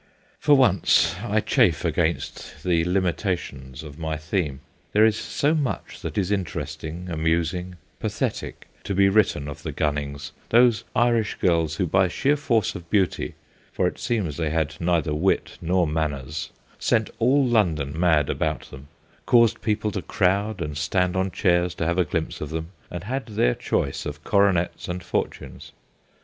For once I chafe against the limitations of my theme. There is so much that is interesting, amusing, pathetic to be written of the Gunnings, those Irish girls who by sheer force of beauty for it seems they had neither wit nor manners sent all London mad about them, caused people to crowd and stand on chairs to have a glimpse of them, and had their choice of coronets and fortunes.